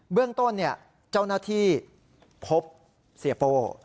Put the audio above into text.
เรื่องต้นเจ้าหน้าที่พบเสียโป้